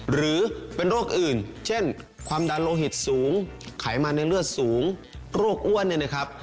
หรือเป็นโรคอื่นเช่นความดันโลหิตสูงไขมันในเลือดสูงโรคอ้วนเนี่ยนะครับ